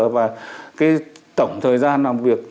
và cái tổng thời gian làm việc